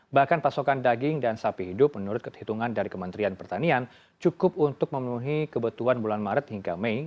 bahkan pasokan daging dan sapi hidup menurut ketitungan dari kementerian pertanian cukup untuk memenuhi kebutuhan bulan maret hingga mei